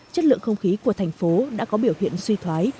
chất lượng không khí của thành phố đã có biểu hiện suy thoái